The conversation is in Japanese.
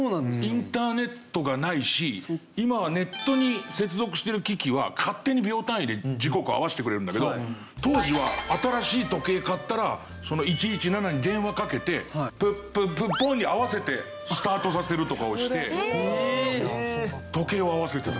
インターネットがないし今はネットに接続してる機器は勝手に秒単位で時刻合わせてくれるんだけど当時は新しい時計買ったら１１７に電話かけてプップップッポーンに合わせてスタートさせるとかをして時計を合わせてた。